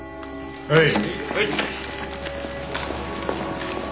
はい。